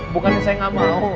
bukannya saya gak mau